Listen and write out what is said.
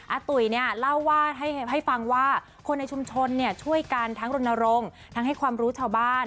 ตุ๋ยเนี่ยเล่าว่าให้ฟังว่าคนในชุมชนช่วยกันทั้งรณรงค์ทั้งให้ความรู้ชาวบ้าน